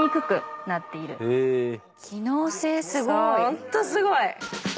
ホントすごい。